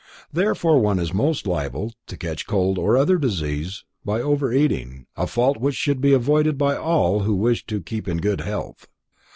Therefore one is most liable to catch cold or other disease by overeating, a fault which should be avoided by all who wish to keep in good health.